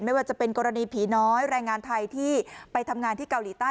ไม่ว่าจะเป็นกรณีผีน้อยแรงงานไทยที่ไปทำงานที่เกาหลีใต้